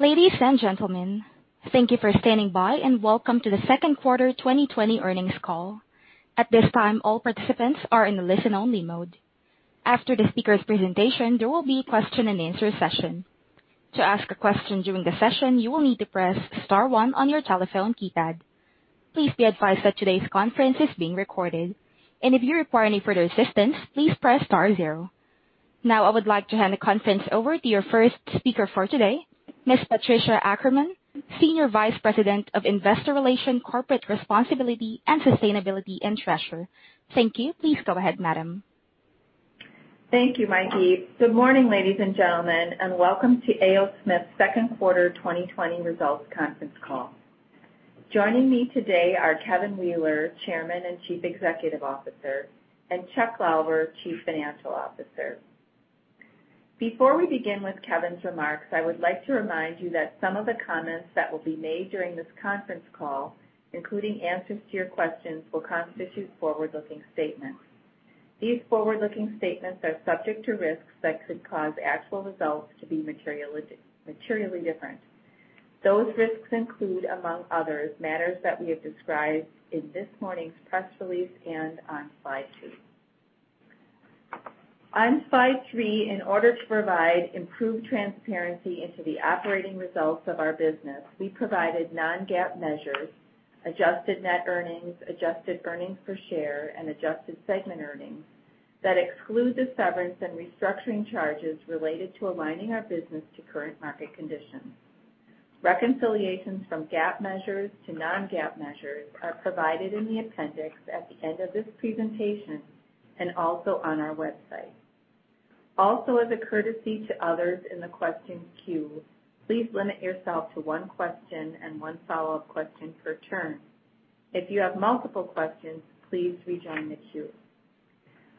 Ladies and gentlemen, thank you for standing by and welcome to the second quarter 2020 earnings call. At this time, all participants are in the listen-only mode. After the speaker's presentation, there will be a question-and-answer session. To ask a question during the session, you will need to press star one on your telephone keypad. Please be advised that today's conference is being recorded, and if you require any further assistance, please press star zero. Now, I would like to hand the conference over to your first speaker for today, Ms. Patricia Ackerman, Senior Vice President of Investor Relations, Corporate Responsibility, and Sustainability and Treasurer. Thank you. Please go ahead, Madam. Thank you, Mikey. Good morning, ladies and gentlemen, and welcome to A. O. Smith's second quarter 2020 results conference call. Joining me today are Kevin Wheeler, Chairman and Chief Executive Officer, and Chuck Lauber, Chief Financial Officer. Before we begin with Kevin's remarks, I would like to remind you that some of the comments that will be made during this conference call, including answers to your questions, will constitute forward-looking statements. These forward-looking statements are subject to risks that could cause actual results to be materially different. Those risks include, among others, matters that we have described in this morning's press release and on slide two. On slide three, in order to provide improved transparency into the operating results of our business, we provided non-GAAP measures, adjusted net earnings, adjusted earnings per share, and adjusted segment earnings that exclude the severance and restructuring charges related to aligning our business to current market conditions. Reconciliations from GAAP measures to non-GAAP measures are provided in the appendix at the end of this presentation and also on our website. Also, as a courtesy to others in the questions queue, please limit yourself to one question and one follow-up question per turn. If you have multiple questions, please rejoin the queue.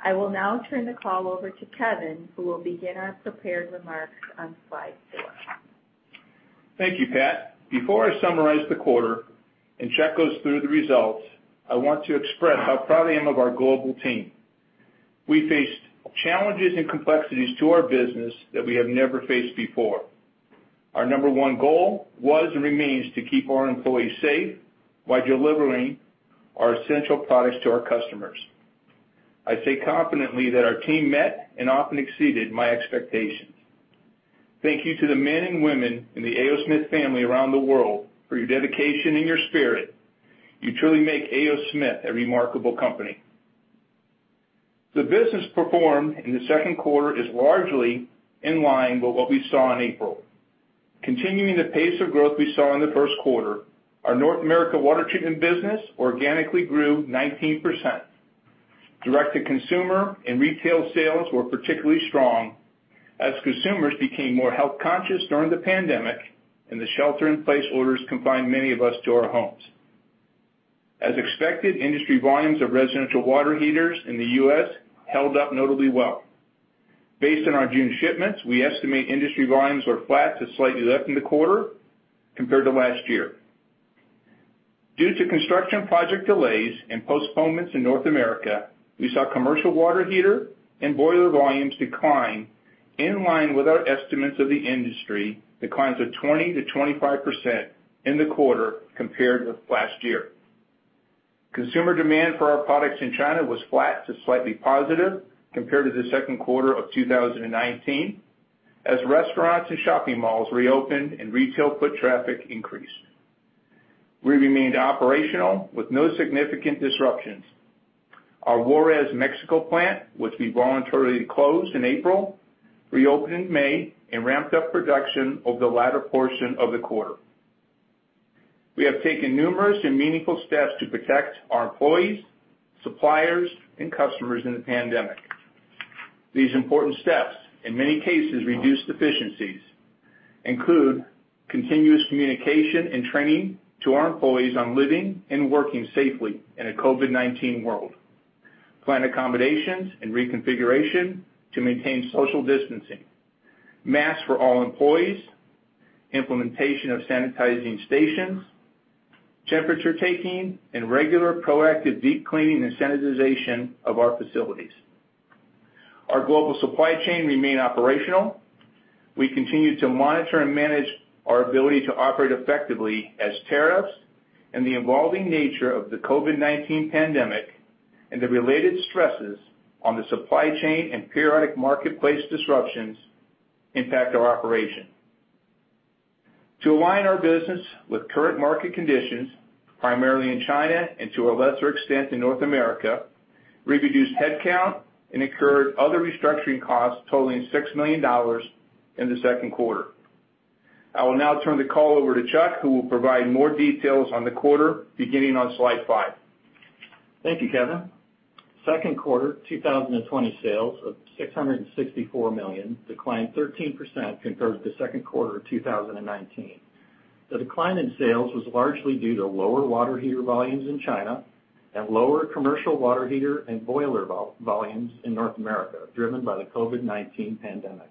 I will now turn the call over to Kevin, who will begin our prepared remarks on slide four. Thank you, Pat. Before I summarize the quarter and Chuck goes through the results, I want to express how proud I am of our global team. We faced challenges and complexities to our business that we have never faced before. Our number one goal was and remains to keep our employees safe while delivering our essential products to our customers. I say confidently that our team met and often exceeded my expectations. Thank you to the men and women in the A. O. Smith family around the world for your dedication and your spirit. You truly make A. O. Smith a remarkable company. The business performed in the second quarter is largely in line with what we saw in April. Continuing the pace of growth we saw in the first quarter, our North America water treatment business organically grew 19%. Direct-to-consumer and retail sales were particularly strong as consumers became more health conscious during the pandemic and the shelter-in-place orders confined many of us to our homes. As expected, industry volumes of residential water heaters in the U.S. held up notably well. Based on our June shipments, we estimate industry volumes were flat to slightly less than the quarter compared to last year. Due to construction project delays and postponements in North America, we saw commercial water heater and boiler volumes decline in line with our estimates of the industry declines of 20%-25% in the quarter compared with last year. Consumer demand for our products in China was flat to slightly positive compared to the second quarter of 2019 as restaurants and shopping malls reopened and retail foot traffic increased. We remained operational with no significant disruptions. Our Juarez, Mexico plant, which we voluntarily closed in April, reopened in May and ramped up production over the latter portion of the quarter. We have taken numerous and meaningful steps to protect our employees, suppliers, and customers in the pandemic. These important steps, in many cases, reduced efficiencies, include continuous communication and training to our employees on living and working safely in a COVID-19 world, plant accommodations and reconfiguration to maintain social distancing, masks for all employees, implementation of sanitizing stations, temperature taking, and regular proactive deep cleaning and sanitization of our facilities. Our global supply chain remained operational. We continue to monitor and manage our ability to operate effectively as tariffs and the evolving nature of the COVID-19 pandemic and the related stresses on the supply chain and periodic marketplace disruptions impact our operation. To align our business with current market conditions, primarily in China and to a lesser extent in North America, we reduced headcount and incurred other restructuring costs totaling $6 million in the second quarter. I will now turn the call over to Chuck, who will provide more details on the quarter beginning on slide five. Thank you, Kevin. Second quarter 2020 sales of $664 million declined 13% compared to the second quarter of 2019. The decline in sales was largely due to lower water heater volumes in China and lower commercial water heater and boiler volumes in North America driven by the COVID-19 pandemic.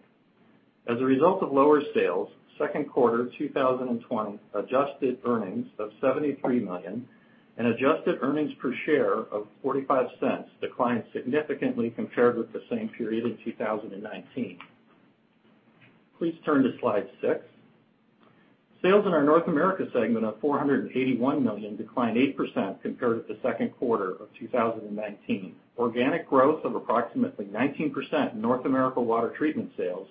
As a result of lower sales, second quarter 2020 adjusted earnings of $73 million and adjusted earnings per share of $0.45 declined significantly compared with the same period in 2019. Please turn to slide six. Sales in our North America segment of $481 million declined 8% compared with the second quarter of 2019. Organic growth of approximately 19% in North America water treatment sales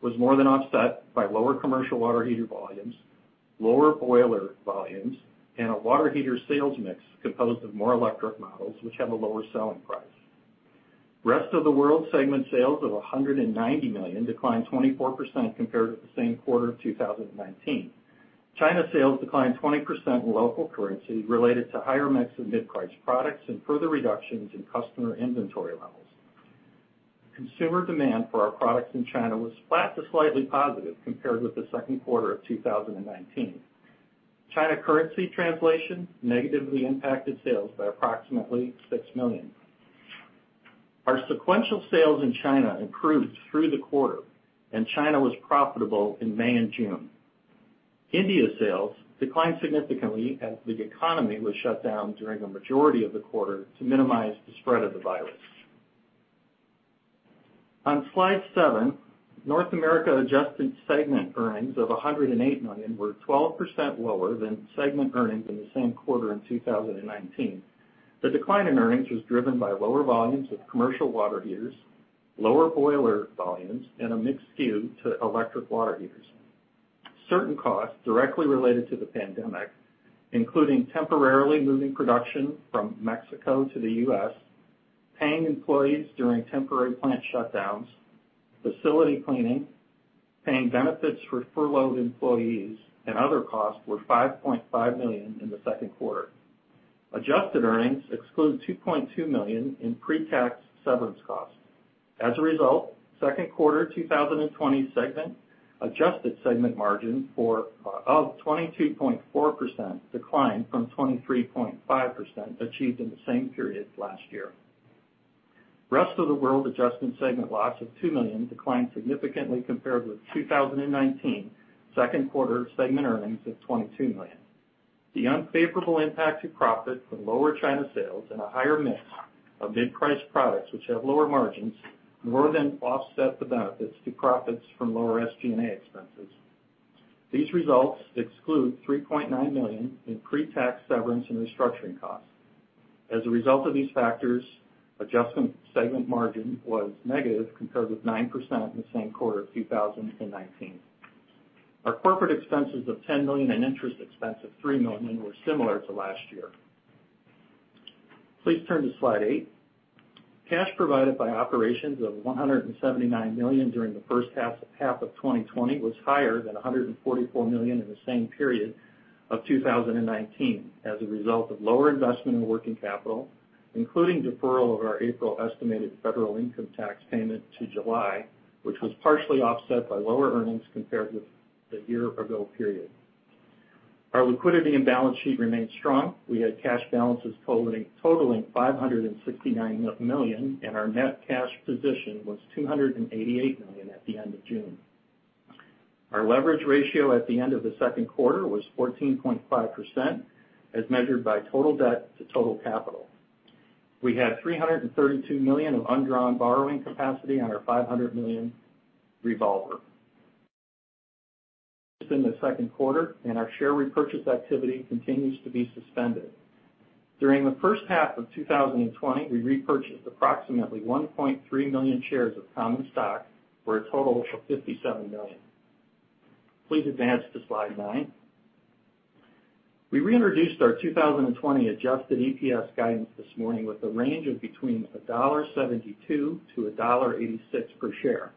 was more than offset by lower commercial water heater volumes, lower boiler volumes, and a water heater sales mix composed of more electric models which have a lower selling price. Rest of the world segment sales of $190 million declined 24% compared with the same quarter of 2019. China sales declined 20% in local currency related to higher mix of mid-price products and further reductions in customer inventory levels. Consumer demand for our products in China was flat to slightly positive compared with the second quarter of 2019. China currency translation negatively impacted sales by approximately $6 million. Our sequential sales in China improved through the quarter, and China was profitable in May and June. India sales declined significantly as the economy was shut down during a majority of the quarter to minimize the spread of the virus. On slide seven, North America adjusted segment earnings of $108 million were 12% lower than segment earnings in the same quarter in 2019. The decline in earnings was driven by lower volumes of commercial water heaters, lower boiler volumes, and a mixed skew to electric water heaters. Certain costs directly related to the pandemic, including temporarily moving production from Mexico to the U.S., paying employees during temporary plant shutdowns, facility cleaning, paying benefits for furloughed employees, and other costs were $5.5 million in the second quarter. Adjusted earnings excluded $2.2 million in pre-tax severance costs. As a result, second quarter 2020 segment adjusted segment margin of 22.4% declined from 23.5% achieved in the same period last year. Rest of the world adjusted segment loss of $2 million declined significantly compared with 2019 second quarter segment earnings of $22 million. The unfavorable impact to profits from lower China sales and a higher mix of mid-price products which have lower margins more than offset the benefits to profits from lower SG&A expenses. These results exclude $3.9 million in pre-tax severance and restructuring costs. As a result of these factors, adjusted segment margin was negative compared with 9% in the same quarter of 2019. Our corporate expenses of $10 million and interest expense of $3 million were similar to last year. Please turn to slide eight. Cash provided by operations of $179 million during the first half of 2020 was higher than $144 million in the same period of 2019 as a result of lower investment in working capital, including deferral of our April estimated federal income tax payment to July, which was partially offset by lower earnings compared with the year-ago period. Our liquidity and balance sheet remained strong. We had cash balances totaling $569 million, and our net cash position was $288 million at the end of June. Our leverage ratio at the end of the second quarter was 14.5% as measured by total debt to total capital. We had $332 million of undrawn borrowing capacity on our $500 million revolver. In the second quarter, our share repurchase activity continues to be suspended. During the first half of 2020, we repurchased approximately 1.3 million shares of common stock for a total of $57 million. Please advance to slide nine. We reintroduced our 2020 adjusted EPS guidance this morning with a range of between $1.72-$1.86 per share.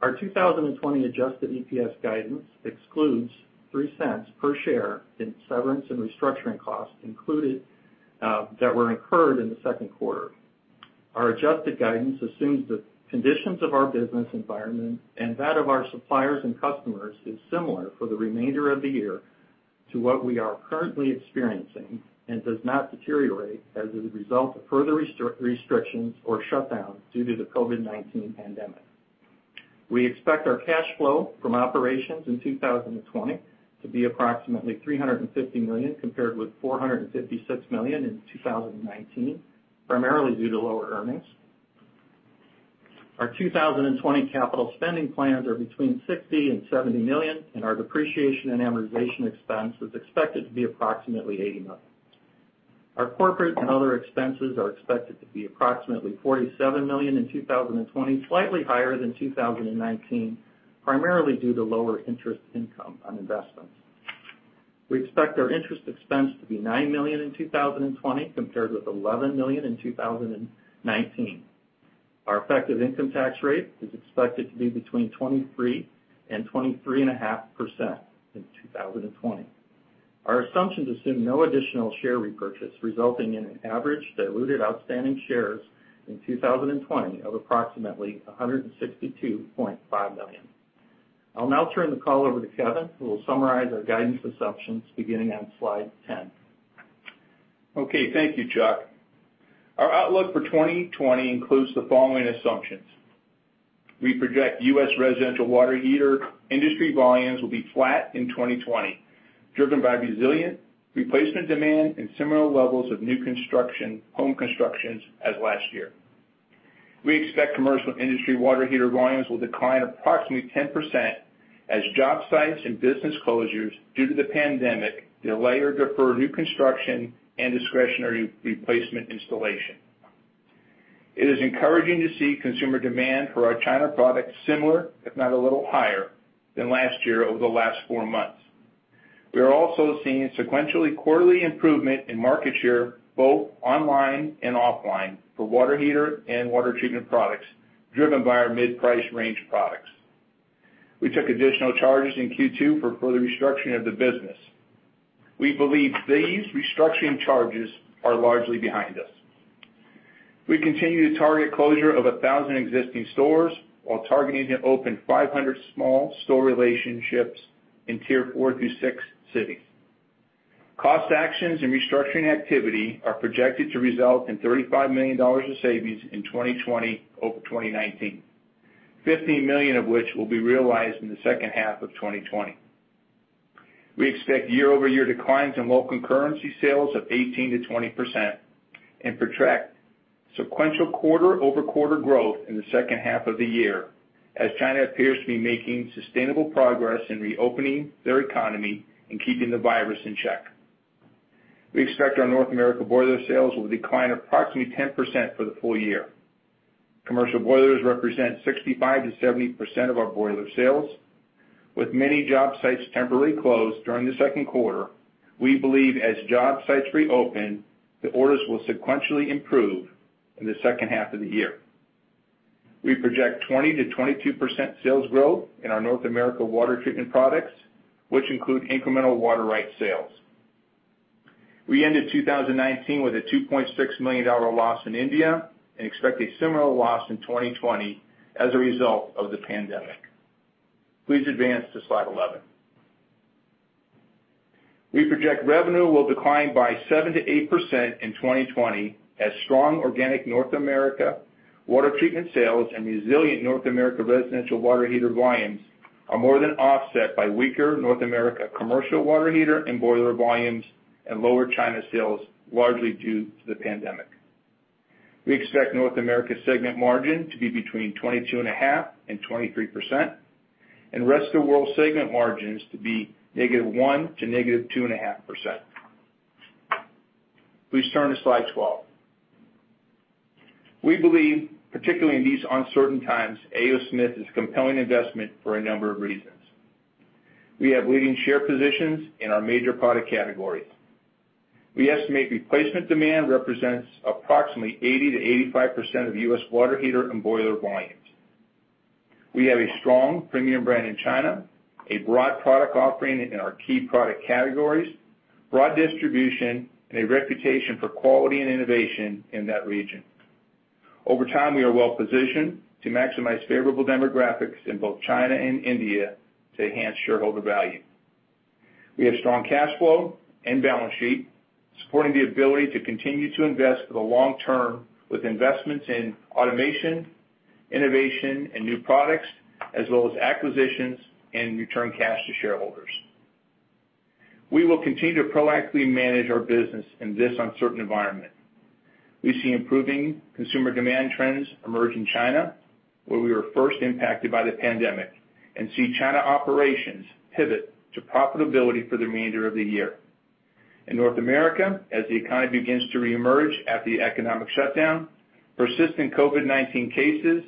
Our 2020 adjusted EPS guidance excludes $0.03 per share in severance and restructuring costs that were incurred in the second quarter. Our adjusted guidance assumes the conditions of our business environment and that of our suppliers and customers is similar for the remainder of the year to what we are currently experiencing and does not deteriorate as a result of further restrictions or shutdowns due to the COVID-19 pandemic. We expect our cash flow from operations in 2020 to be approximately $350 million compared with $456 million in 2019, primarily due to lower earnings. Our 2020 capital spending plans are between $60-$70 million, and our depreciation and amortization expense is expected to be approximately $80 million. Our corporate and other expenses are expected to be approximately $47 million in 2020, slightly higher than 2019, primarily due to lower interest income on investments. We expect our interest expense to be $9 million in 2020 compared with $11 million in 2019. Our effective income tax rate is expected to be between 23% and 23.5% in 2020. Our assumptions assume no additional share repurchase resulting in an average diluted outstanding shares in 2020 of approximately $162.5 million. I'll now turn the call over to Kevin, who will summarize our guidance assumptions beginning on slide ten. Okay. Thank you, Chuck. Our outlook for 2020 includes the following assumptions. We project U.S. residential water heater industry volumes will be flat in 2020, driven by resilient replacement demand and similar levels of new construction, home constructions as last year. We expect commercial industry water heater volumes will decline approximately 10% as job sites and business closures due to the pandemic delay or defer new construction and discretionary replacement installation. It is encouraging to see consumer demand for our China products similar, if not a little higher, than last year over the last four months. We are also seeing sequentially quarterly improvement in market share both online and offline for water heater and water treatment products driven by our mid-price range products. We took additional charges in Q2 for further restructuring of the business. We believe these restructuring charges are largely behind us. We continue to target closure of 1,000 existing stores while targeting to open 500 small store relationships in tier four through six cities. Cost actions and restructuring activity are projected to result in $35 million of savings in 2020 over 2019, $15 million of which will be realized in the second half of 2020. We expect year-over-year declines in local currency sales of 18%-20% and project sequential quarter-over-quarter growth in the second half of the year as China appears to be making sustainable progress in reopening their economy and keeping the virus in check. We expect our North America boiler sales will decline approximately 10% for the full year. Commercial boilers represent 65%-70% of our boiler sales. With many job sites temporarily closed during the second quarter, we believe as job sites reopen, the orders will sequentially improve in the second half of the year. We project 20%-22% sales growth in our North America water treatment products, which include incremental Water-Right sales. We ended 2019 with a $2.6 million loss in India and expect a similar loss in 2020 as a result of the pandemic. Please advance to slide eleven. We project revenue will decline by 7%-8% in 2020 as strong organic North America water treatment sales and resilient North America residential water heater volumes are more than offset by weaker North America commercial water heater and boiler volumes and lower China sales largely due to the pandemic. We expect North America segment margin to be between 22.5% and 23% and rest of world segment margins to be -1 to -2.5%. Please turn to slide twelve. We believe, particularly in these uncertain times, A. O. Smith is a compelling investment for a number of reasons. We have leading share positions in our major product categories. We estimate replacement demand represents approximately 80-85% of U.S. water heater and boiler volumes. We have a strong premium brand in China, a broad product offering in our key product categories, broad distribution, and a reputation for quality and innovation in that region. Over time, we are well positioned to maximize favorable demographics in both China and India to enhance shareholder value. We have strong cash flow and balance sheet supporting the ability to continue to invest for the long term with investments in automation, innovation, and new products, as well as acquisitions and return cash to shareholders. We will continue to proactively manage our business in this uncertain environment. We see improving consumer demand trends emerge in China, where we were first impacted by the pandemic, and see China operations pivot to profitability for the remainder of the year. In North America, as the economy begins to reemerge after the economic shutdown, persistent COVID-19 cases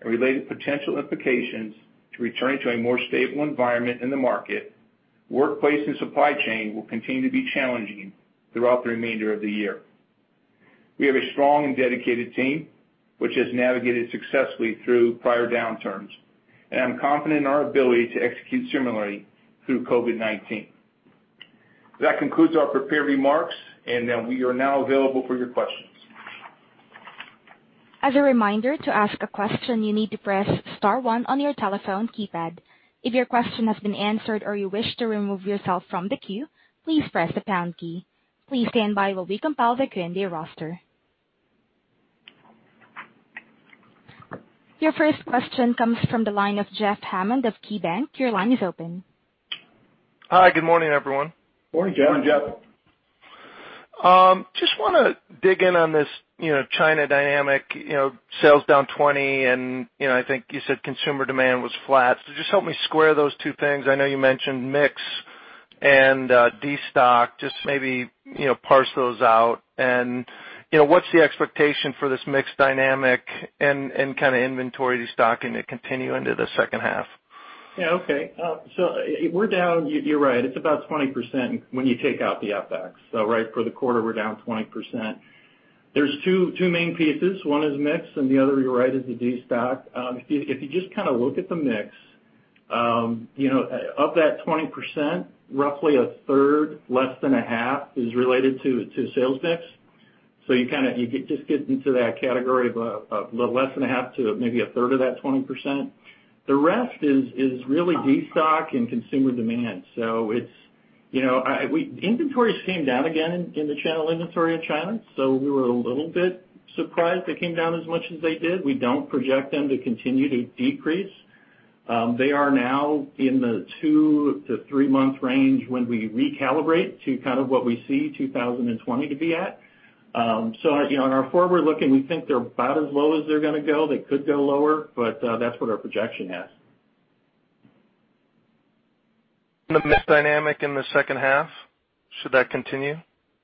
and related potential implications to returning to a more stable environment in the market, workplace and supply chain will continue to be challenging throughout the remainder of the year. We have a strong and dedicated team which has navigated successfully through prior downturns, and I'm confident in our ability to execute similarly through COVID-19. That concludes our prepared remarks, and we are now available for your questions. As a reminder, to ask a question, you need to press star one on your telephone keypad. If your question has been answered or you wish to remove yourself from the queue, please press the pound key. Please stand by while we compile the Q&A roster. Your first question comes from the line of Jeff Hammond of KeyBanc. Your line is open. Hi. Good morning, everyone. Morning, Jeff. Morning, Jeff. Just want to dig in on this China dynamic. Sales down 20%, and I think you said consumer demand was flat. Just help me square those two things. I know you mentioned mix and destock. Just maybe parse those out. What is the expectation for this mixed dynamic and kind of inventory destocking to continue into the second half? Yeah. Okay. So we're down, you're right, it's about 20% when you take out the FX. Right for the quarter, we're down 20%. There's two main pieces. One is mix, and the other, you're right, is the destock. If you just kind of look at the mix, of that 20%, roughly a third, less than a half, is related to sales mix. You kind of just get into that category of less than a half to maybe a third of that 20%. The rest is really destock and consumer demand. Inventories came down again in the channel inventory in China, so we were a little bit surprised they came down as much as they did. We don't project them to continue to decrease. They are now in the two to three-month range when we recalibrate to kind of what we see 2020 to be at. On our forward looking, we think they're about as low as they're going to go. They could go lower, but that's what our projection has. The mixed dynamic in the second half, should that continue?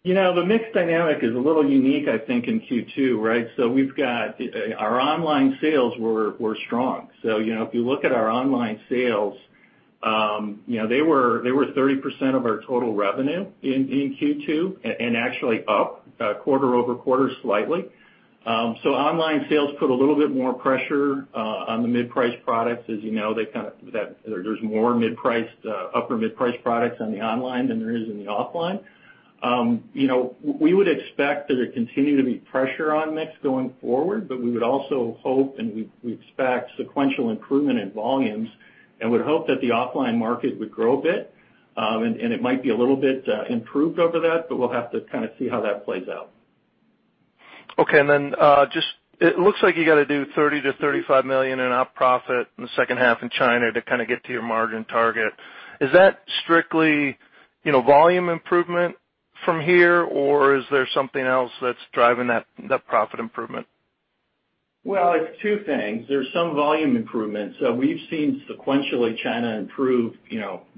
You know, the mix dynamic is a little unique, I think, in Q2, right? We have our online sales were strong. If you look at our online sales, they were 30% of our total revenue in Q2 and actually up quarter-over-quarter slightly. Online sales put a little bit more pressure on the mid-price products. As you know, there are more mid-price, upper mid-price products online than there are offline. We would expect there to continue to be pressure on mix going forward, but we would also hope and we expect sequential improvement in volumes and would hope that the offline market would grow a bit. It might be a little bit improved over that, but we will have to kind of see how that plays out. Okay. It looks like you got to do $30 million-$35 million in net profit in the second half in China to kind of get to your margin target. Is that strictly volume improvement from here, or is there something else that's driving that profit improvement? It's two things. There's some volume improvement. We've seen sequentially China improve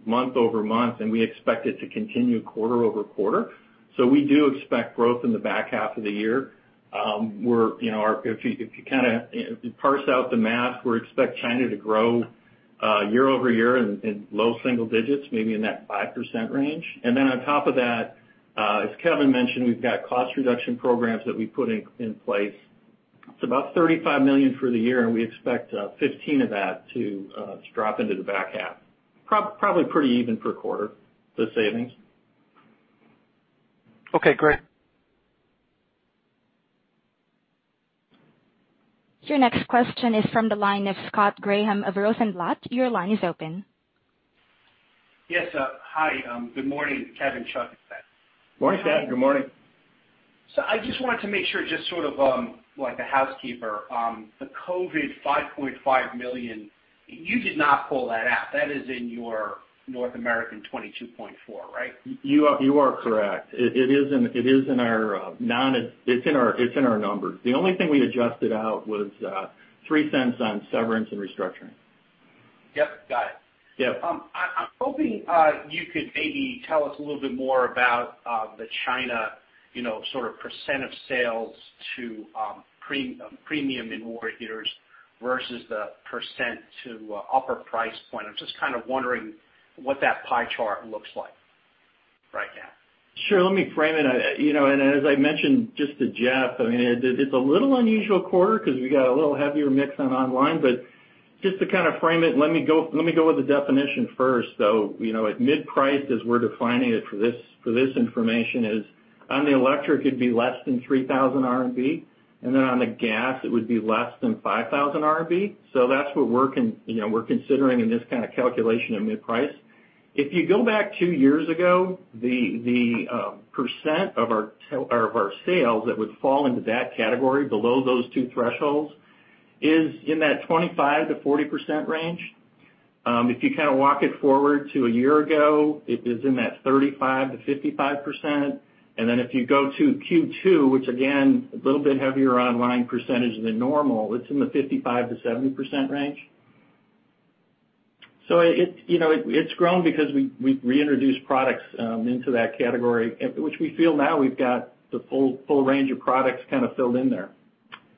month over month, and we expect it to continue quarter-over-quarter. We do expect growth in the back half of the year. If you kind of parse out the math, we expect China to grow year-over-year in low single digits, maybe in that 5% range. On top of that, as Kevin mentioned, we've got cost reduction programs that we put in place. It's about $35 million for the year, and we expect $15 million of that to drop into the back half. Probably pretty even per quarter, the savings. Okay. Great. Your next question is from the line of Scott Graham of Rosenblatt. Your line is open. Yes. Hi. Good morning. Kevin, Chuck is back. Morning, Kevin. Good morning. I just wanted to make sure, just sort of like a housekeeper, the COVID $5.5 million, you did not pull that out. That is in your North America $22.4 million, right? You are correct. It is in our numbers. The only thing we adjusted out was $0.03 on severance and restructuring. Yep. Got it. Yep. I'm hoping you could maybe tell us a little bit more about the China sort of percent of sales to premium in water heaters versus the percent to upper price point. I'm just kind of wondering what that pie chart looks like right now. Sure. Let me frame it. As I mentioned just to Jeff, I mean, it's a little unusual quarter because we got a little heavier mix on online. Just to kind of frame it, let me go with the definition first. At mid-price, as we're defining it for this information, on the electric, it'd be less than 3,000 RMB, and on the gas, it would be less than 5,000 RMB. That's what we're considering in this kind of calculation of mid-price. If you go back two years ago, the percent of our sales that would fall into that category below those two thresholds is in that 25%-40% range. If you kind of walk it forward to a year ago, it is in that 35%-55%. If you go to Q2, which again, a little bit heavier online percentage than normal, it's in the 55-70% range. It's grown because we've reintroduced products into that category, which we feel now we've got the full range of products kind of filled in there.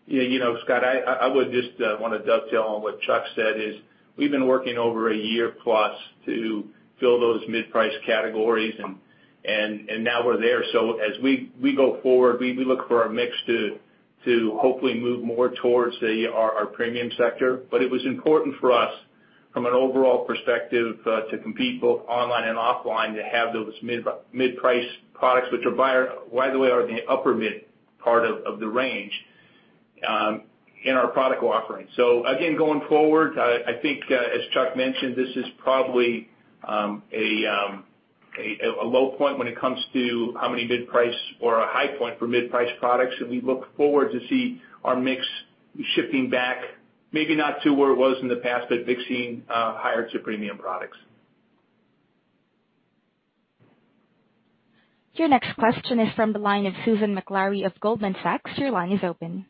You know, Scott, I would just want to dovetail on what Chuck said is we've been working over a year plus to fill those mid-price categories, and now we're there. As we go forward, we look for our mix to hopefully move more towards our premium sector. It was important for us, from an overall perspective, to compete both online and offline to have those mid-price products, which are, by the way, the upper mid part of the range in our product offering. Again, going forward, I think, as Chuck mentioned, this is probably a low point when it comes to how many mid-price or a high point for mid-price products. We look forward to seeing our mix shifting back, maybe not to where it was in the past, but mixing higher to premium products. Your next question is from the line of Susan Maklari of Goldman Sachs. Your line is open.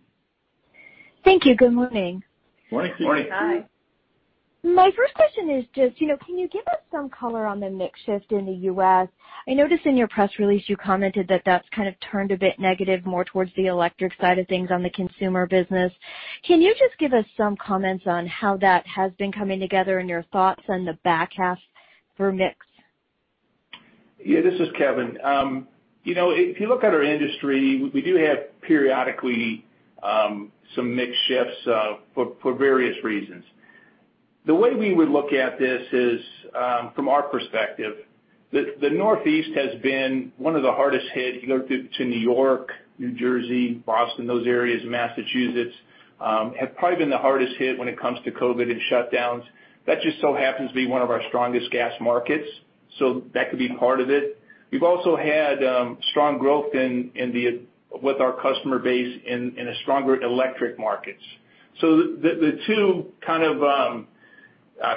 Thank you. Good morning. Good morning. Morning. Hi. My first question is just, can you give us some color on the mix shift in the U.S.? I noticed in your press release you commented that that's kind of turned a bit negative more towards the electric side of things on the consumer business. Can you just give us some comments on how that has been coming together and your thoughts on the back half for mix? Yeah. This is Kevin. If you look at our industry, we do have periodically some mix shifts for various reasons. The way we would look at this is, from our perspective, the Northeast has been one of the hardest hit. You go to New York, New Jersey, Boston, those areas, Massachusetts have probably been the hardest hit when it comes to COVID and shutdowns. That just so happens to be one of our strongest gas markets, so that could be part of it. We've also had strong growth with our customer base in the stronger electric markets. The two kind of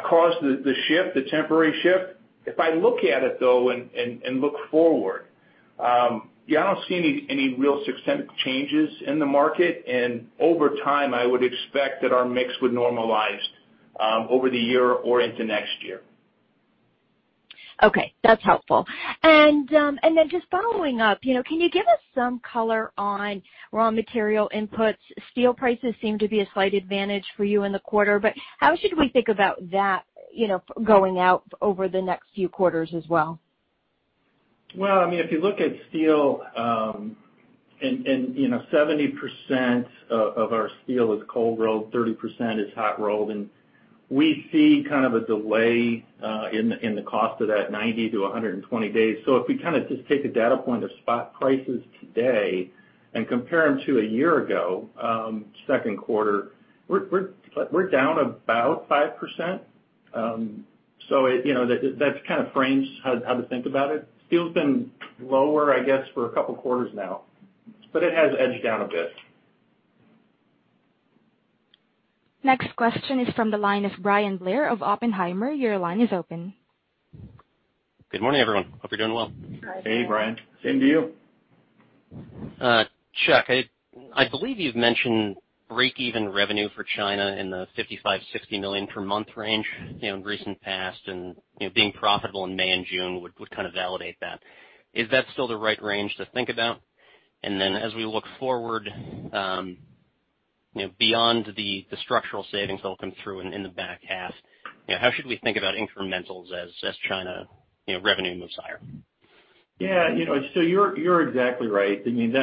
caused the shift, the temporary shift. If I look at it, though, and look forward, yeah, I don't see any real systemic changes in the market. Over time, I would expect that our mix would normalize over the year or into next year. Okay. That's helpful. Just following up, can you give us some color on raw material inputs? Steel prices seem to be a slight advantage for you in the quarter, but how should we think about that going out over the next few quarters as well? If you look at steel, 70% of our steel is cold rolled, 30% is hot rolled, and we see kind of a delay in the cost of that 90-120 days. If we kind of just take a data point of spot prices today and compare them to a year ago, second quarter, we are down about 5%. That kind of frames how to think about it. Steel's been lower, I guess, for a couple of quarters now, but it has edged down a bit. Next question is from the line of Bryan Blair of Oppenheimer. Your line is open. Good morning, everyone. Hope you're doing well. Hi. Hey, Bryan. Same to you. Chuck, I believe you've mentioned break-even revenue for China in the $55 million-$60 million per month range in recent past, and being profitable in May and June would kind of validate that. Is that still the right range to think about? As we look forward beyond the structural savings that will come through in the back half, how should we think about incrementals as China revenue moves higher? Yeah. So you're exactly right. I mean,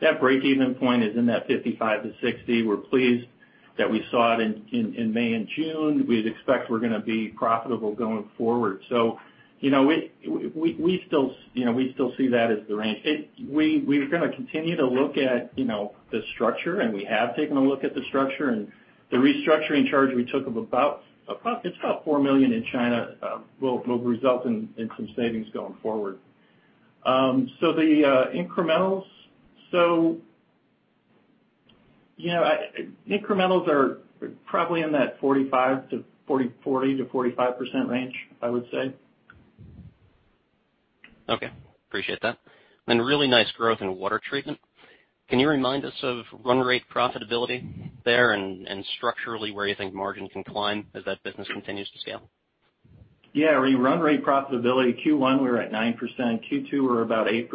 that break-even point is in that 55-60. We're pleased that we saw it in May and June. We expect we're going to be profitable going forward. We still see that as the range. We're going to continue to look at the structure, and we have taken a look at the structure. The restructuring charge we took of about, it's about $4 million in China will result in some savings going forward. The incrementals, so incrementals are probably in that 40-45% range, I would say. Okay. Appreciate that. Really nice growth in water treatment. Can you remind us of run rate profitability there and structurally where you think margin can climb as that business continues to scale? Yeah. Run rate profitability, Q1 we were at 9%. Q2 we were about 8%.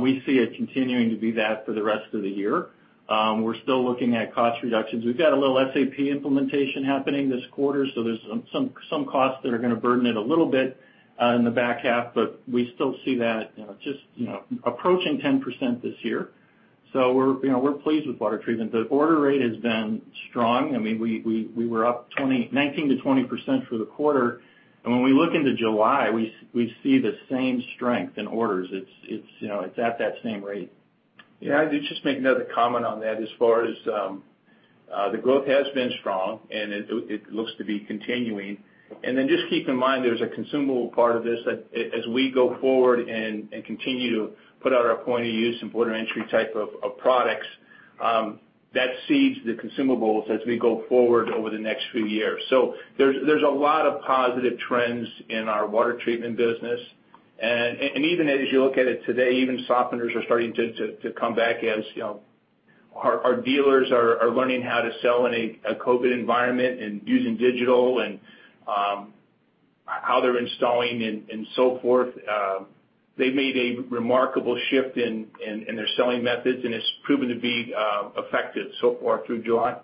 We see it continuing to be that for the rest of the year. We're still looking at cost reductions. We've got a little SAP implementation happening this quarter, so there's some costs that are going to burden it a little bit in the back half, but we still see that just approaching 10% this year. We're pleased with water treatment. The order rate has been strong. I mean, we were up 19%-20% for the quarter. When we look into July, we see the same strength in orders. It's at that same rate. Yeah. I'd just make another comment on that as far as the growth has been strong, and it looks to be continuing. Just keep in mind there's a consumable part of this as we go forward and continue to put out our point-of-use and point-of-entry type of products that seeds the consumables as we go forward over the next few years. There are a lot of positive trends in our water treatment business. Even as you look at it today, even softeners are starting to come back as our dealers are learning how to sell in a COVID-19 environment and using digital and how they're installing and so forth. They've made a remarkable shift in their selling methods, and it's proven to be effective so far through July.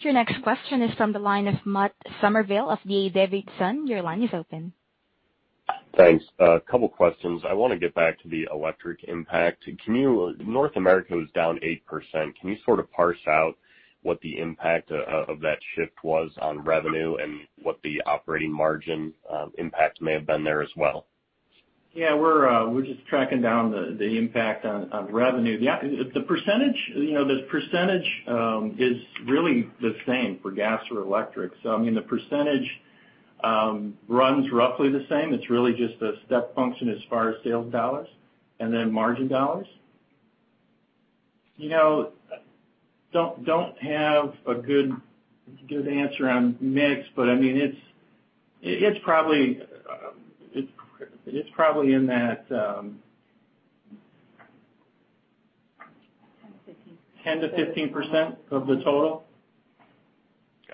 Your next question is from the line of Matt Summerville of D.A. Davidson. Your line is open. Thanks. A couple of questions. I want to get back to the electric impact. North America was down 8%. Can you sort of parse out what the impact of that shift was on revenue and what the operating margin impact may have been there as well? Yeah. We're just tracking down the impact on revenue. The percentage, the percentage is really the same for gas or electric. I mean, the percentage runs roughly the same. It's really just a step function as far as sales dollars and then margin dollars. Don't have a good answer on mix, but I mean, it's probably in that 10%-15% of the total,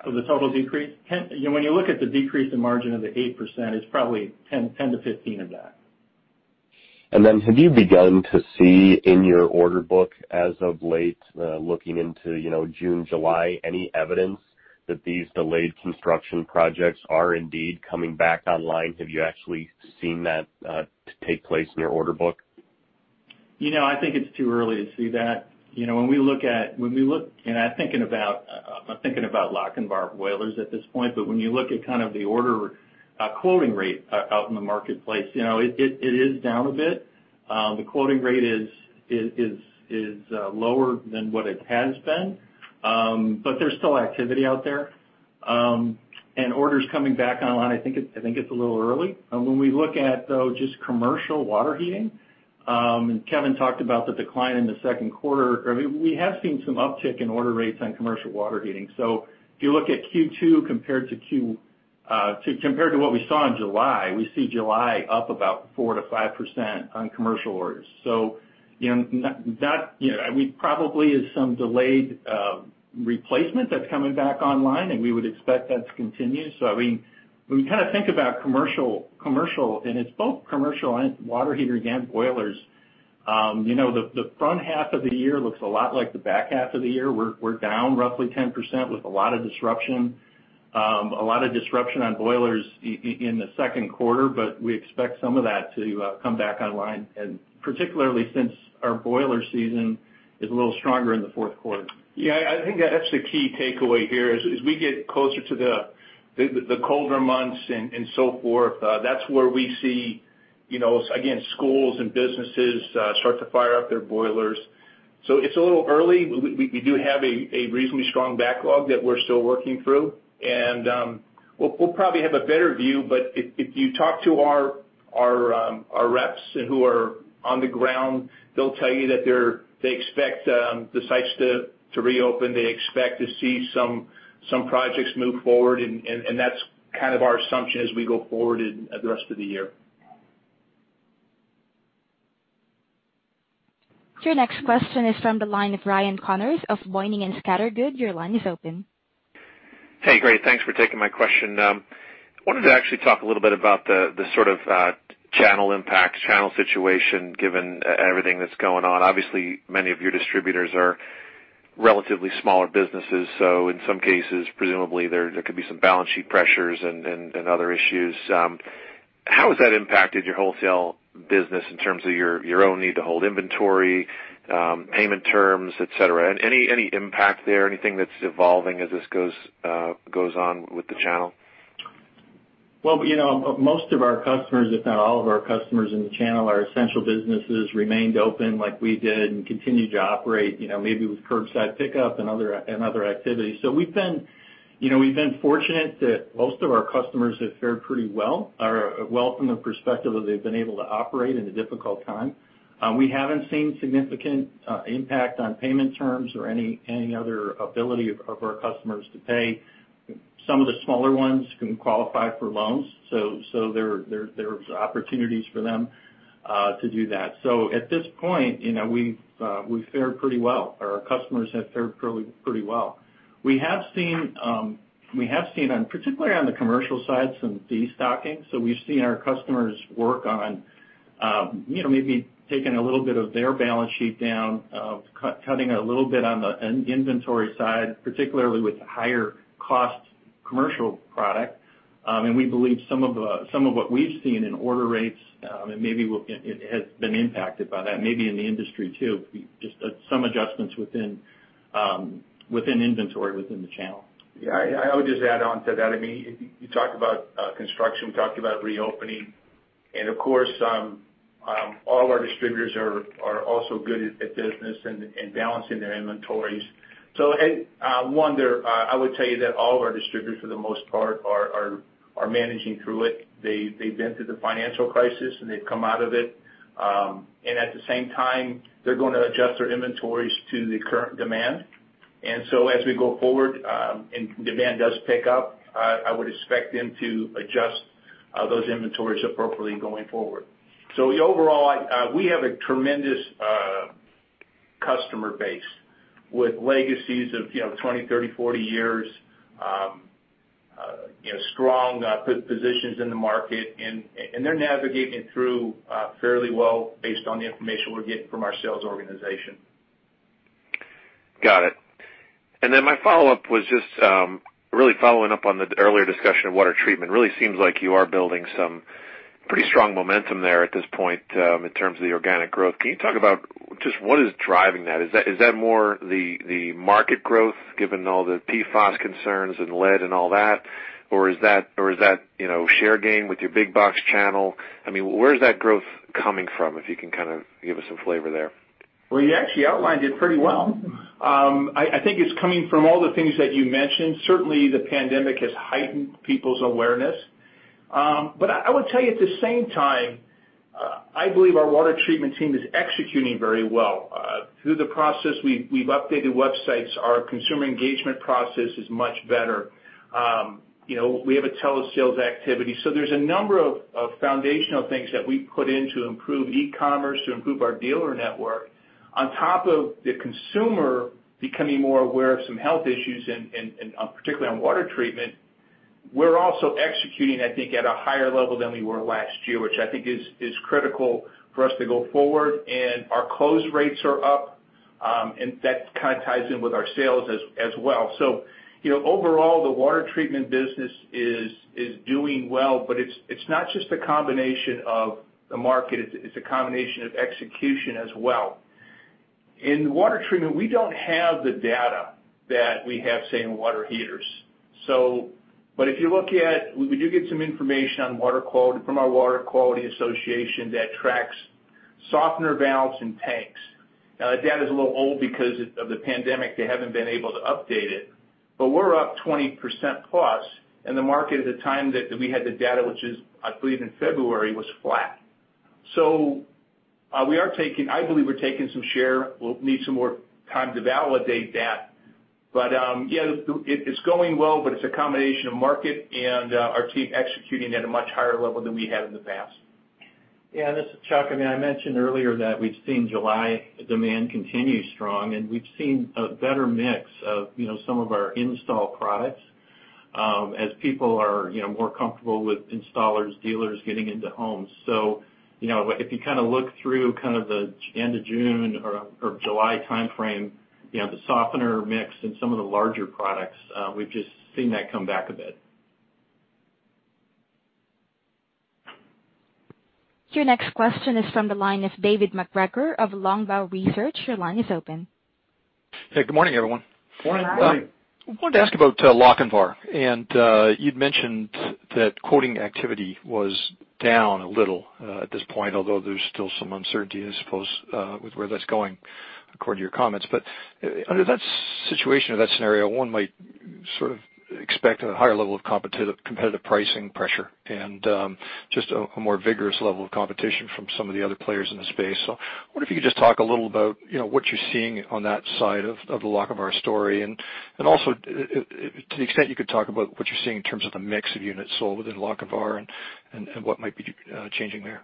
of the total decrease. When you look at the decrease in margin of the 8%, it's probably 10%-15% of that. Have you begun to see in your order book as of late, looking into June, July, any evidence that these delayed construction projects are indeed coming back online? Have you actually seen that take place in your order book? I think it's too early to see that. When we look at, and I'm thinking about Lochinvar, boilers at this point, but when you look at kind of the order quoting rate out in the marketplace, it is down a bit. The quoting rate is lower than what it has been, but there's still activity out there. Orders coming back online, I think it's a little early. When we look at, though, just commercial water heating, and Kevin talked about the decline in the second quarter, we have seen some uptick in order rates on commercial water heating. If you look at Q2 compared to what we saw in July, we see July up about 4%-5% on commercial orders. That probably is some delayed replacement that's coming back online, and we would expect that to continue. I mean, when we kind of think about commercial, and it's both commercial and water heaters and boilers, the front half of the year looks a lot like the back half of the year. We're down roughly 10% with a lot of disruption, a lot of disruption on boilers in the second quarter, but we expect some of that to come back online, particularly since our boiler season is a little stronger in the fourth quarter. Yeah. I think that's the key takeaway here as we get closer to the colder months and so forth. That's where we see, again, schools and businesses start to fire up their boilers. It's a little early. We do have a reasonably strong backlog that we're still working through. We'll probably have a better view, but if you talk to our reps who are on the ground, they'll tell you that they expect the sites to reopen. They expect to see some projects move forward, and that's kind of our assumption as we go forward in the rest of the year. Your next question is from the line of Ryan Connors of Boenning & Scattergood. Your line is open. Hey, great. Thanks for taking my question. I wanted to actually talk a little bit about the sort of channel impact, channel situation given everything that's going on. Obviously, many of your distributors are relatively smaller businesses, so in some cases, presumably, there could be some balance sheet pressures and other issues. How has that impacted your wholesale business in terms of your own need to hold inventory, payment terms, etc.? Any impact there? Anything that's evolving as this goes on with the channel? Most of our customers, if not all of our customers in the channel, are essential businesses, remained open like we did and continued to operate, maybe with curbside pickup and other activities. We have been fortunate that most of our customers have fared pretty well, from the perspective of they've been able to operate in a difficult time. We have not seen significant impact on payment terms or any other ability of our customers to pay. Some of the smaller ones can qualify for loans, so there are opportunities for them to do that. At this point, we have fared pretty well. Our customers have fared pretty well. We have seen, particularly on the commercial side, some de-stocking. We have seen our customers work on maybe taking a little bit of their balance sheet down, cutting a little bit on the inventory side, particularly with higher-cost commercial product. We believe some of what we've seen in order rates maybe has been impacted by that, maybe in the industry too, just some adjustments within inventory within the channel. Yeah. I would just add on to that. I mean, you talked about construction, we talked about reopening, and of course, all of our distributors are also good at business and balancing their inventories. I would tell you that all of our distributors, for the most part, are managing through it. They've been through the financial crisis, and they've come out of it. At the same time, they're going to adjust their inventories to the current demand. As we go forward and demand does pick up, I would expect them to adjust those inventories appropriately going forward. Overall, we have a tremendous customer base with legacies of 20, 30, 40 years, strong positions in the market, and they're navigating through fairly well based on the information we're getting from our sales organization. Got it. My follow-up was just really following up on the earlier discussion of water treatment. It really seems like you are building some pretty strong momentum there at this point in terms of the organic growth. Can you talk about just what is driving that? Is that more the market growth given all the PFAS concerns and lead and all that, or is that share gain with your big box channel? I mean, where's that growth coming from if you can kind of give us some flavor there? You actually outlined it pretty well. I think it's coming from all the things that you mentioned. Certainly, the pandemic has heightened people's awareness. I would tell you at the same time, I believe our water treatment team is executing very well through the process. We've updated websites. Our consumer engagement process is much better. We have a telesales activity. There are a number of foundational things that we've put in to improve e-commerce, to improve our dealer network. On top of the consumer becoming more aware of some health issues, particularly on water treatment, we're also executing, I think, at a higher level than we were last year, which I think is critical for us to go forward. Our close rates are up, and that kind of ties in with our sales as well. Overall, the water treatment business is doing well, but it's not just a combination of the market. It's a combination of execution as well. In water treatment, we don't have the data that we have, say, in water heaters. If you look at, we do get some information on water quality from our Water Quality Association that tracks softener valves and tanks. That data is a little old because of the pandemic. They haven't been able to update it. We're up 20% plus, and the market at the time that we had the data, which is, I believe, in February, was flat. I believe we're taking some share. We'll need some more time to validate that. Yeah, it's going well, but it's a combination of market and our team executing at a much higher level than we had in the past. Yeah. This is Chuck. I mean, I mentioned earlier that we've seen July demand continue strong, and we've seen a better mix of some of our install products as people are more comfortable with installers, dealers getting into homes. If you kind of look through kind of the end of June or July timeframe, the softener mix and some of the larger products, we've just seen that come back a bit. Your next question is from the line of David MacGregor of Longbow Research. Your line is open. Hey, good morning, everyone. Morning. Hi. I wanted to ask about Lochinvar, and you'd mentioned that quoting activity was down a little at this point, although there's still some uncertainty, I suppose, with where that's going according to your comments. Under that situation, or that scenario, one might sort of expect a higher level of competitive pricing pressure and just a more vigorous level of competition from some of the other players in the space. I wonder if you could just talk a little about what you're seeing on that side of the Lochinvar story and also to the extent you could talk about what you're seeing in terms of the mix of units sold within Lochinvar and what might be changing there.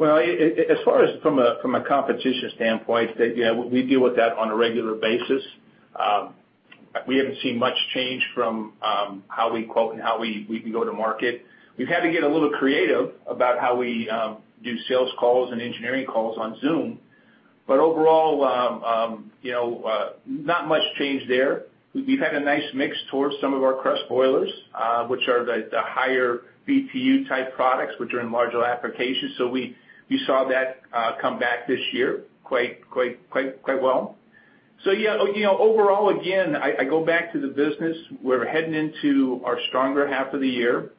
As far as from a competition standpoint, we deal with that on a regular basis. We haven't seen much change from how we quote and how we go to market. We've had to get a little creative about how we do sales calls and engineering calls on Zoom. Overall, not much change there. We've had a nice mix towards some of our CREST boilers, which are the higher BTU type products, which are in larger applications. You saw that come back this year quite well. Overall, again, I go back to the business. We're heading into our stronger half of the year.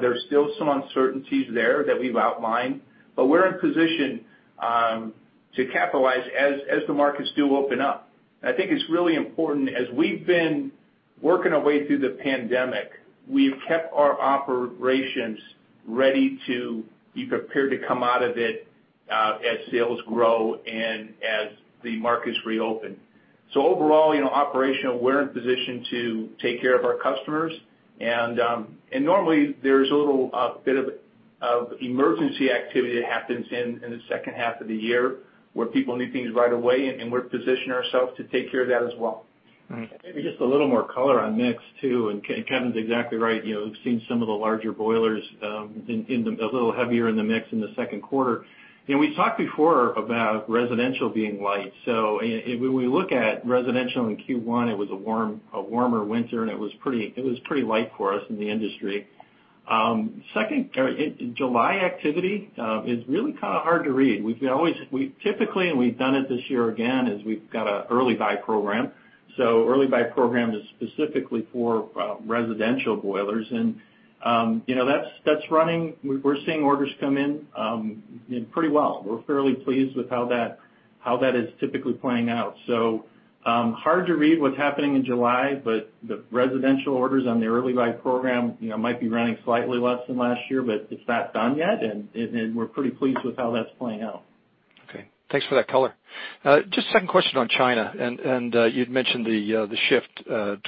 There's still some uncertainties there that we've outlined, but we're in position to capitalize as the markets do open up. I think it's really important, as we've been working our way through the pandemic, we've kept our operations ready to be prepared to come out of it as sales grow and as the markets reopen. Overall, operationally, we're in position to take care of our customers. Normally, there's a little bit of emergency activity that happens in the second half of the year where people need things right away, and we're positioning ourselves to take care of that as well. Maybe just a little more color on mix too. Kevin's exactly right. We've seen some of the larger boilers a little heavier in the mix in the second quarter. We talked before about residential being light. When we look at residential in Q1, it was a warmer winter, and it was pretty light for us in the industry. July activity is really kind of hard to read. Typically, and we've done it this year again, we've got an early buy program. Early buy program is specifically for residential boilers, and that's running. We're seeing orders come in pretty well. We're fairly pleased with how that is typically playing out. Hard to read what's happening in July, but the residential orders on the early buy program might be running slightly less than last year, but it's not done yet, and we're pretty pleased with how that's playing out. Okay. Thanks for that color. Just a second question on China, and you'd mentioned the shift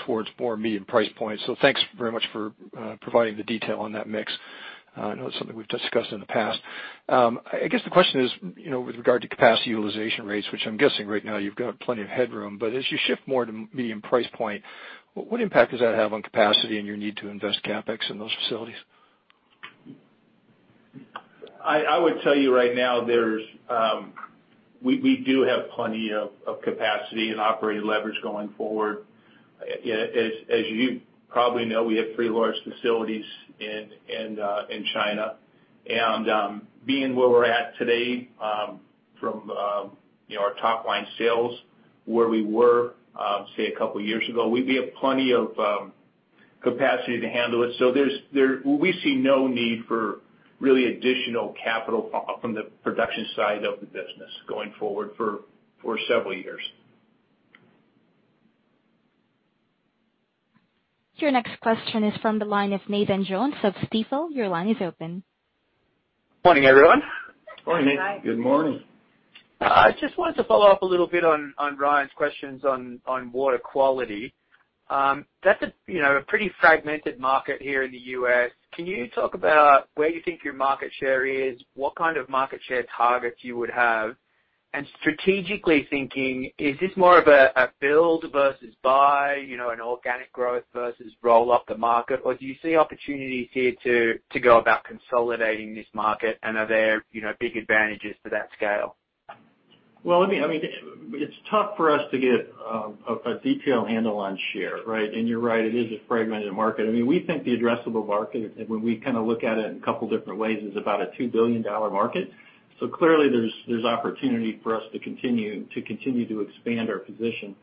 towards more medium price points. Thanks very much for providing the detail on that mix. I know it's something we've discussed in the past. I guess the question is with regard to capacity utilization rates, which I'm guessing right now you've got plenty of headroom. As you shift more to medium price point, what impact does that have on capacity and your need to invest CapEx in those facilities? I would tell you right now we do have plenty of capacity and operating leverage going forward. As you probably know, we have three large facilities in China. Being where we're at today from our top-line sales, where we were, say, a couple of years ago, we have plenty of capacity to handle it. We see no need for really additional capital from the production side of the business going forward for several years. Your next question is from the line of Nathan Jones of Stifel. Your line is open. Good morning, everyone. Morning, Nathan. Hi. Good morning. I just wanted to follow up a little bit on Ryan's questions on water quality. That's a pretty fragmented market here in the U.S. Can you talk about where you think your market share is, what kind of market share targets you would have? Strategically thinking, is this more of a build versus buy, an organic growth versus roll up the market? Do you see opportunities here to go about consolidating this market, and are there big advantages to that scale? I mean, it's tough for us to get a detailed handle on share, right? And you're right, it is a fragmented market. I mean, we think the addressable market, when we kind of look at it in a couple of different ways, is about a $2 billion market. Clearly, there's opportunity for us to continue to expand our position.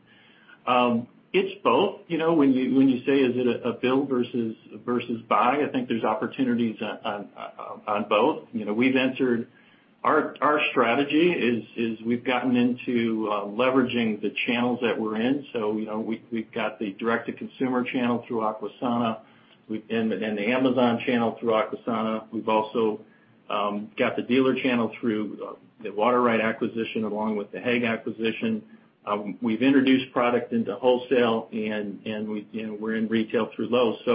It's both. When you say, is it a build versus buy, I think there's opportunities on both. Our strategy is we've gotten into leveraging the channels that we're in. We've got the direct-to-consumer channel through Aquasana, and the Amazon channel through Aquasana. We've also got the dealer channel through the Water-Right acquisition along with the Hague acquisition. We've introduced product into wholesale, and we're in retail through Lowe's. We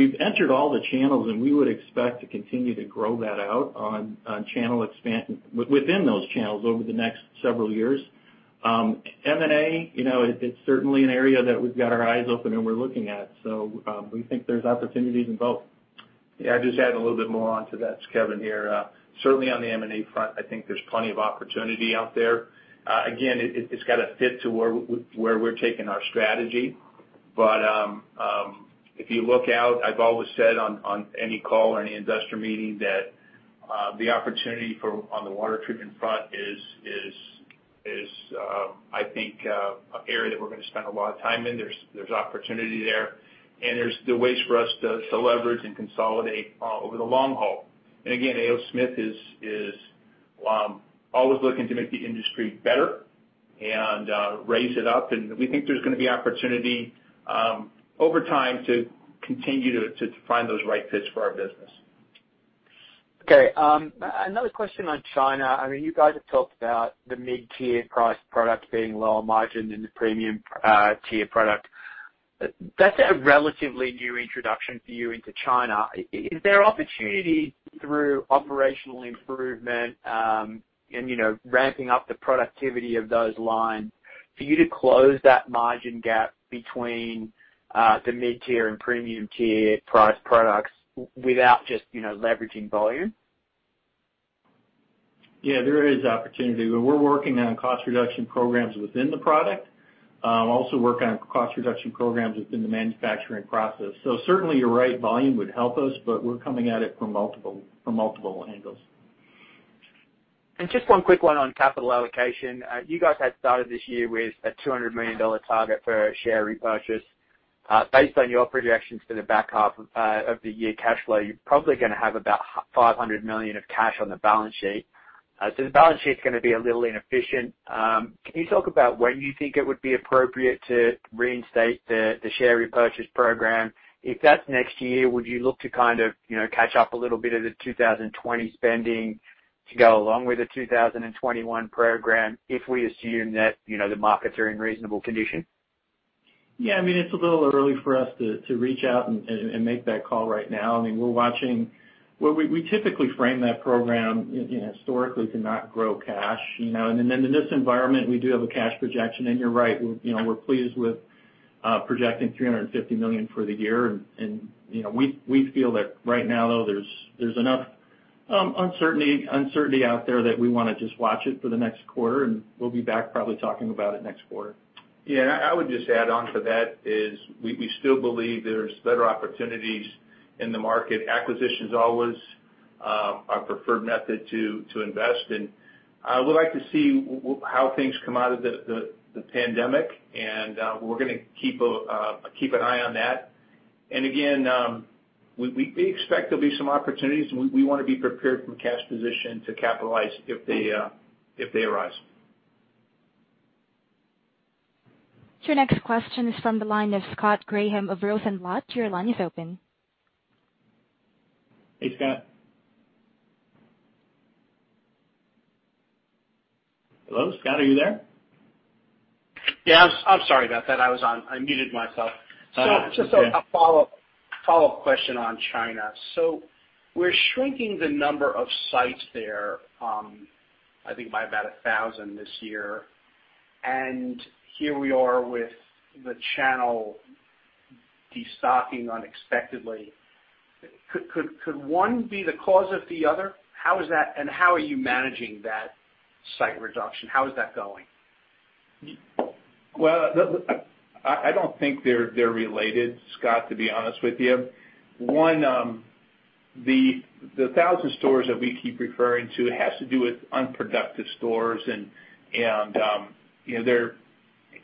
have entered all the channels, and we would expect to continue to grow that out on channel expansion within those channels over the next several years. M&A, it's certainly an area that we've got our eyes open and we're looking at. We think there's opportunities in both. Yeah. I just add a little bit more onto that, Kevin, here. Certainly, on the M&A front, I think there's plenty of opportunity out there. Again, it's got to fit to where we're taking our strategy. If you look out, I've always said on any call or any investor meeting that the opportunity on the water treatment front is, I think, an area that we're going to spend a lot of time in. There's opportunity there, and there are ways for us to leverage and consolidate over the long haul. A. O. Smith is always looking to make the industry better and raise it up. We think there's going to be opportunity over time to continue to find those right fits for our business. Okay. Another question on China. I mean, you guys have talked about the mid-tier price product being lower margin than the premium tier product. That's a relatively new introduction for you into China. Is there opportunity through operational improvement and ramping up the productivity of those lines for you to close that margin gap between the mid-tier and premium tier price products without just leveraging volume? Yeah, there is opportunity. We're working on cost reduction programs within the product. We're also working on cost reduction programs within the manufacturing process. Certainly, you're right, volume would help us, but we're coming at it from multiple angles. Just one quick one on capital allocation. You guys had started this year with a $200 million target for share repurchase. Based on your projections for the back half of the year cash flow, you're probably going to have about $500 million of cash on the balance sheet. The balance sheet's going to be a little inefficient. Can you talk about when you think it would be appropriate to reinstate the share repurchase program? If that's next year, would you look to kind of catch up a little bit of the 2020 spending to go along with the 2021 program if we assume that the markets are in reasonable condition? Yeah. I mean, it's a little early for us to reach out and make that call right now. I mean, we're watching. We typically frame that program historically to not grow cash. In this environment, we do have a cash projection. You're right, we're pleased with projecting $350 million for the year. We feel that right now, though, there's enough uncertainty out there that we want to just watch it for the next quarter, and we'll be back probably talking about it next quarter. Yeah. I would just add on to that is we still believe there's better opportunities in the market. Acquisition is always our preferred method to invest. We'd like to see how things come out of the pandemic, and we're going to keep an eye on that. Again, we expect there'll be some opportunities, and we want to be prepared from cash position to capitalize if they arise. Your next question is from the line of Scott Graham of Rosenblatt. Your line is open. Hey, Scott. Hello, Scott? Are you there? Yeah. I'm sorry about that. I muted myself. Just a follow-up question on China. We're shrinking the number of sites there, I think by about 1,000 this year. Here we are with the channel de-stocking unexpectedly. Could one be the cause of the other? How are you managing that site reduction? How is that going? I do not think they are related, Scott, to be honest with you. One, the thousand stores that we keep referring to has to do with unproductive stores. We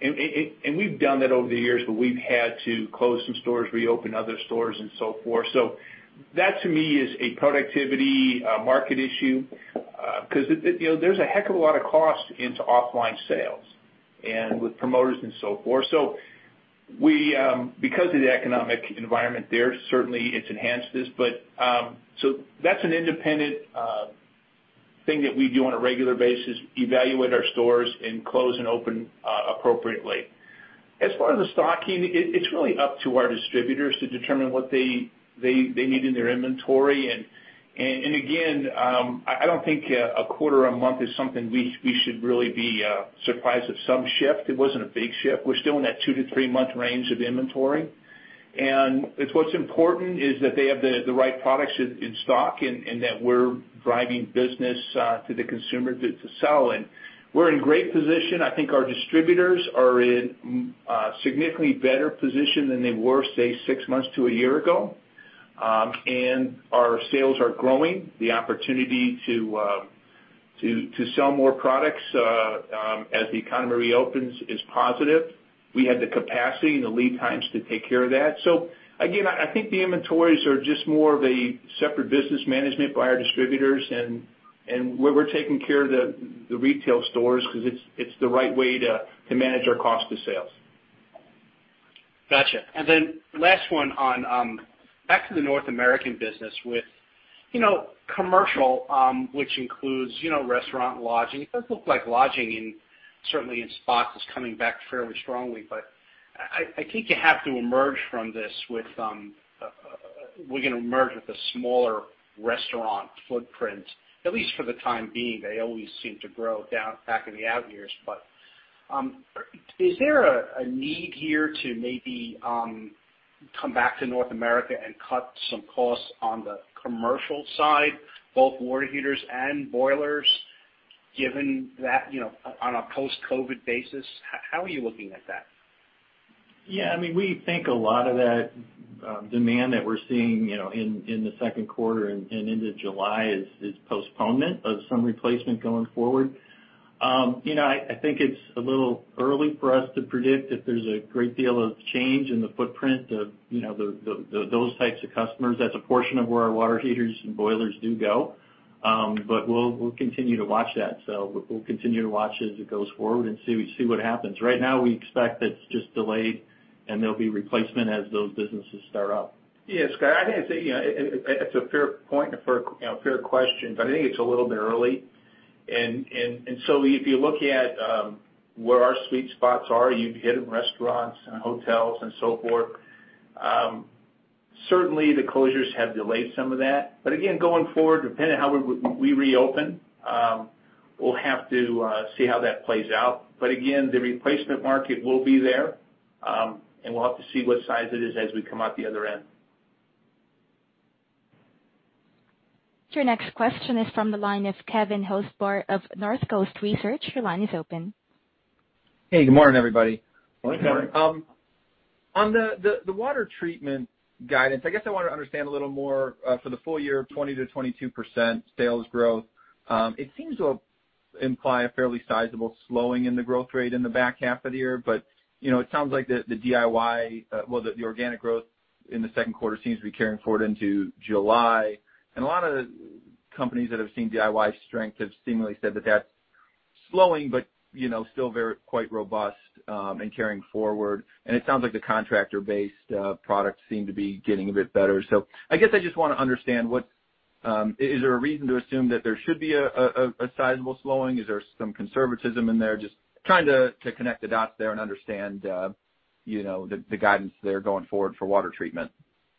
have done that over the years, but we have had to close some stores, reopen other stores, and so forth. That, to me, is a productivity market issue because there is a heck of a lot of cost into offline sales and with promoters and so forth. Because of the economic environment there, certainly, it has enhanced this. That is an independent thing that we do on a regular basis, evaluate our stores and close and open appropriately. As far as the stocking, it is really up to our distributors to determine what they need in their inventory. Again, I do not think a quarter or a month is something we should really be surprised of some shift. It was not a big shift. We're still in that two to three-month range of inventory. What's important is that they have the right products in stock and that we're driving business to the consumer to sell. We're in great position. I think our distributors are in a significantly better position than they were, say, six months to a year ago. Our sales are growing. The opportunity to sell more products as the economy reopens is positive. We have the capacity and the lead times to take care of that. I think the inventories are just more of a separate business management by our distributors. We're taking care of the retail stores because it's the right way to manage our cost of sales. Gotcha. Last one, back to the North American business with commercial, which includes restaurant and lodging. It does look like lodging, certainly in spots, is coming back fairly strongly. I think you have to emerge from this with we're going to emerge with a smaller restaurant footprint, at least for the time being. They always seem to grow back in the out years. Is there a need here to maybe come back to North America and cut some costs on the commercial side, both water heaters and boilers, given that on a post-COVID basis? How are you looking at that? Yeah. I mean, we think a lot of that demand that we're seeing in the second quarter and into July is postponement of some replacement going forward. I think it's a little early for us to predict if there's a great deal of change in the footprint of those types of customers. That's a portion of where our water heaters and boilers do go. We will continue to watch that. We will continue to watch as it goes forward and see what happens. Right now, we expect that it's just delayed, and there will be replacement as those businesses start up. Yeah, Scott. I think it's a fair point and a fair question, but I think it's a little bit early. If you look at where our sweet spots are, you've hit them, restaurants and hotels and so forth. Certainly, the closures have delayed some of that. Again, going forward, depending on how we reopen, we'll have to see how that plays out. Again, the replacement market will be there, and we'll have to see what size it is as we come out the other end. Your next question is from the line of Kevin Hocevar of Northcoast Research. Your line is open. Hey, good morning, everybody. Morning, Kevin. On the water treatment guidance, I guess I want to understand a little more for the full year, 20%-22% sales growth. It seems to imply a fairly sizable slowing in the growth rate in the back half of the year. It sounds like the DIY, well, the organic growth in the second quarter seems to be carrying forward into July. A lot of companies that have seen DIY strength have seemingly said that that's slowing but still quite robust and carrying forward. It sounds like the contractor-based products seem to be getting a bit better. I guess I just want to understand, is there a reason to assume that there should be a sizable slowing? Is there some conservatism in there? Just trying to connect the dots there and understand the guidance there going forward for water treatment.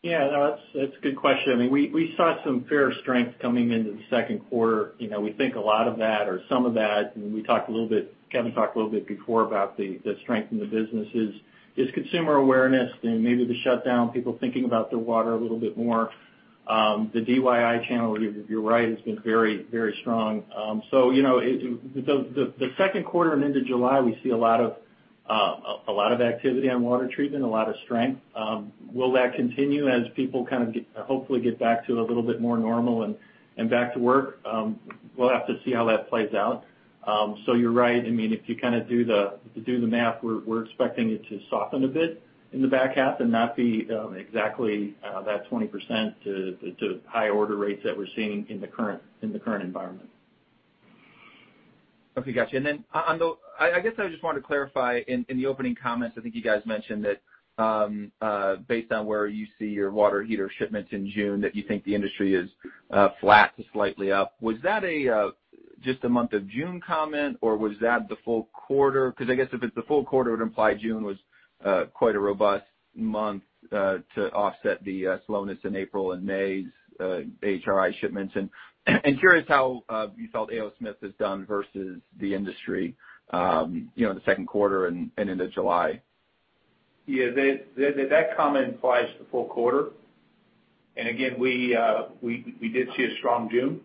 Yeah. No, that's a good question. I mean, we saw some fair strength coming into the second quarter. We think a lot of that or some of that. And we talked a little bit, Kevin talked a little bit before about the strength in the businesses. It's consumer awareness and maybe the shutdown, people thinking about their water a little bit more. The DIY channel, you're right, has been very, very strong. The second quarter and into July, we see a lot of activity on water treatment, a lot of strength. Will that continue as people kind of hopefully get back to a little bit more normal and back to work? We'll have to see how that plays out. You're right. I mean, if you kind of do the math, we're expecting it to soften a bit in the back half and not be exactly that 20%-high order rates that we're seeing in the current environment. Okay. Gotcha. I just wanted to clarify in the opening comments, I think you guys mentioned that based on where you see your water heater shipments in June, that you think the industry is flat to slightly up. Was that just a month of June comment, or was that the full quarter? Because I guess if it's the full quarter, it would imply June was quite a robust month to offset the slowness in April and May's HRI shipments. Curious how you felt A. O. Smith has done versus the industry in the second quarter and into July. Yeah. That comment applies to the full quarter. Again, we did see a strong June.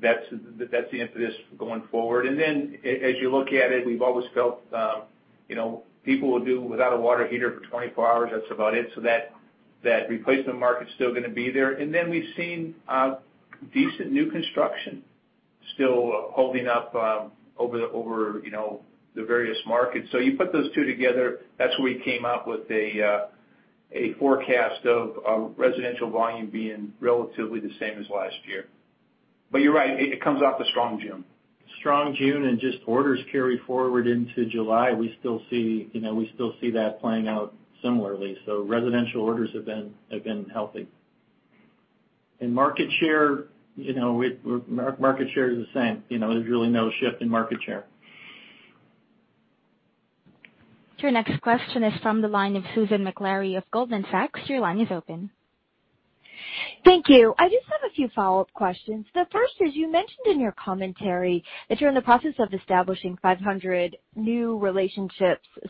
That's the impetus for going forward. As you look at it, we've always felt people will do without a water heater for 24 hours. That's about it. That replacement market's still going to be there. We've seen decent new construction still holding up over the various markets. You put those two together, that's where we came up with a forecast of residential volume being relatively the same as last year. You're right, it comes off a strong June. Strong June and just orders carry forward into July. We still see that playing out similarly. Residential orders have been healthy. Market share, market share is the same. There's really no shift in market share. Your next question is from the line of Susan Maklari of Goldman Sachs. Your line is open. Thank you. I just have a few follow-up questions. The first is you mentioned in your commentary that you're in the process of establishing 500 new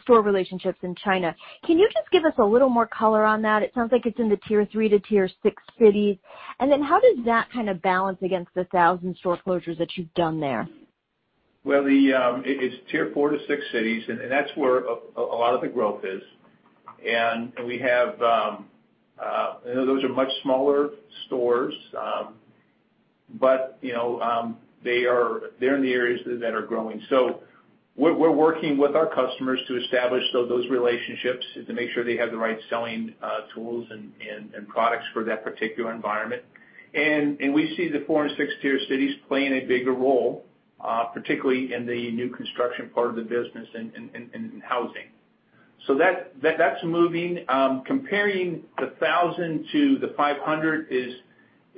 store relationships in China. Can you just give us a little more color on that? It sounds like it's in the tier three to tier six cities. How does that kind of balance against the 1,000 store closures that you've done there? It's tier four to six cities, and that's where a lot of the growth is. We have those are much smaller stores, but they're in the areas that are growing. We are working with our customers to establish those relationships to make sure they have the right selling tools and products for that particular environment. We see the four and six-tier cities playing a bigger role, particularly in the new construction part of the business and housing. That's moving. Comparing the thousand to the 500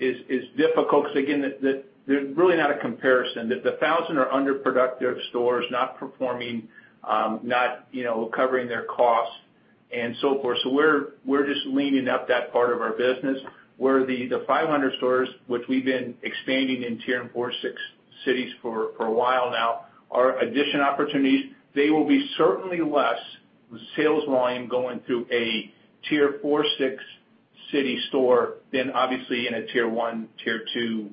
is difficult because, again, there's really not a comparison. The thousand are underproductive stores, not performing, not covering their costs, and so forth. We are just leaning up that part of our business where the 500 stores, which we've been expanding in tier and four, six cities for a while now, are addition opportunities. There will be certainly less sales volume going through a tier four, six city store than, obviously, in a tier one, tier two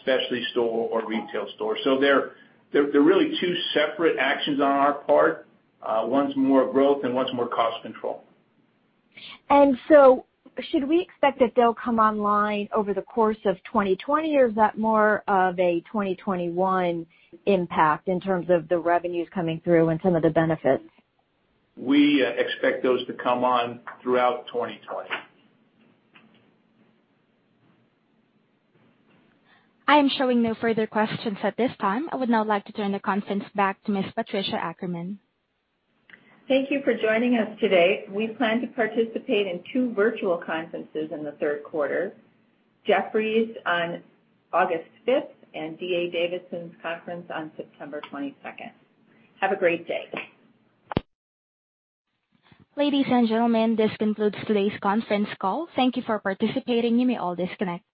specialty store or retail store. They are really two separate actions on our part. One's more growth and one's more cost control. Should we expect that they'll come online over the course of 2020, or is that more of a 2021 impact in terms of the revenues coming through and some of the benefits? We expect those to come on throughout 2020. I am showing no further questions at this time. I would now like to turn the conference back to Ms. Patricia Ackerman. Thank you for joining us today. We plan to participate in two virtual conferences in the third quarter: Jefferies on August 5th and D.A. Davidson's conference on September 22nd. Have a great day. Ladies and gentlemen, this concludes today's conference call. Thank you for participating. You may all disconnect.